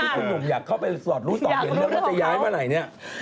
ที่คุณหนุ่มอยากเข้าไปสอดรู้ตอบเห็นเรื่องว่าจะย้ายมาไหน